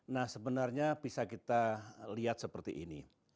nah sebenarnya bisa kita lihat seperti ini